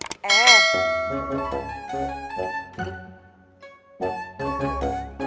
tidak ada apa apa